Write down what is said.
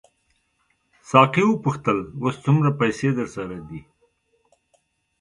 ساقي وپوښتل اوس څومره پیسې درسره دي.